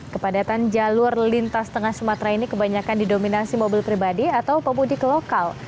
kepadatan jalur lintas tengah sumatera ini kebanyakan didominasi mobil pribadi atau pemudik lokal